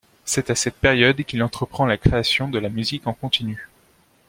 C'est à cette période qu'il entreprend la création de la musique en continu.